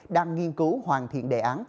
đang nghiên cứu hoàn thiện đề án